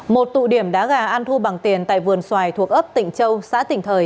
một tụ điểm đá gà ăn thu bằng tiền tại vườn xoài thuộc ấp tỉnh châu xã tỉnh thời